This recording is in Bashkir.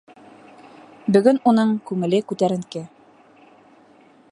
Бөгөн уның күңеле күтәренке.